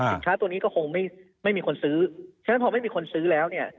สินค้าตัวนี้ก็คงไม่มีคนซื้อฉะนั้นพอไม่มีคนซื้อแล้วเนี่ย